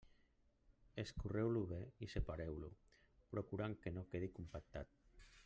Escorreu-lo bé i separeu-lo, procurant que no quedi compactat.